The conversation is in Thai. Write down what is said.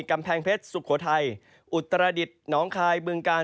กำแพงเพชรสุโขทัยอุตรดิษฐ์น้องคายบึงกาล